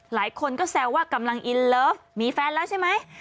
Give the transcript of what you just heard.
หลายคนก็แซวว่ากำลังอินเลิฟมีแฟนแล้วใช่ไหม